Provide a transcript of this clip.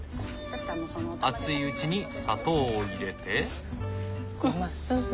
熱いうちに砂糖を入れて。